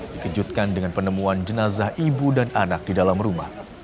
dikejutkan dengan penemuan jenazah ibu dan anak di dalam rumah